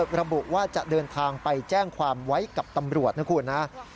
ระบุว่าจะเดินทางไปแจ้งความไว้กับตำรวจนะคุณนะ